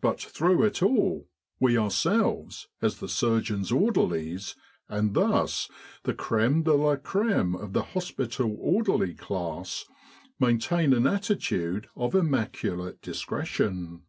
But through it all, we ourselves, as the surgeons' order lies, and thus the creme de la creme of the hospital orderly class, maintain an attitude of immaculate dis* cretion.